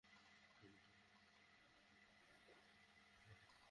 তাঁর নামে যাঁদের সম্মানিত করা হলো, আমার বিশ্বাস তাঁরা সম্মানিত বোধ করবেন।